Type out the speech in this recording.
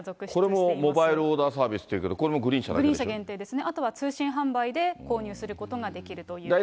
これもモバイルオーダーサービスっていうけど、グリーン車だ限定ですね、あとは通信販売で購入することができるということです。